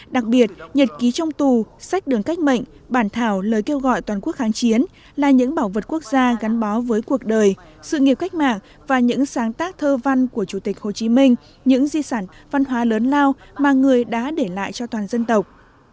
đặc biệt nhật ký trong tù sách đường cách mệnh bản thảo lời kêu gọi toàn quốc kháng chiến là những bảo vật quốc gia gắn bó với cuộc đời sự nghiệp cách mạng và những sáng tác thơ văn của chủ tịch hồ chí minh những di sản văn hóa lớn lao mà người đã để lại cho toàn dân tộc